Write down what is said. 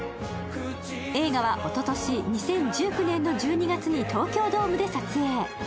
映画はおととし２０１９年１２月に東京ドームで撮影。